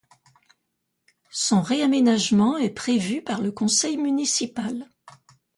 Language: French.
Son réaménagement est prévu par le conseil municipal.